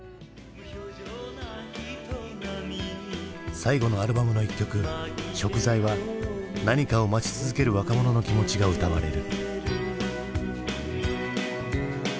最後のアルバムの一曲「贖罪」は何かを待ち続ける若者の気持ちが歌われる。